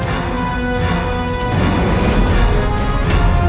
aku akan menangkapmu